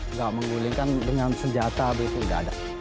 nggak menggulingkan dengan senjata begitu nggak ada